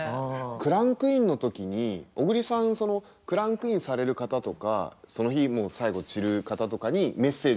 クランクインの時に小栗さんそのクランクインされる方とかその日最後散る方とかにメッセージを結構書いてくれてて